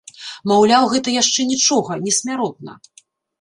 Маўляў, гэта яшчэ нічога, не смяротна.